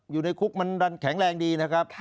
อยู่ในคุกมันแข็งแรงดีนะครับ